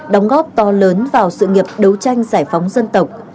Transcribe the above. đóng góp to lớn vào sự nghiệp đấu tranh giải phóng dân tộc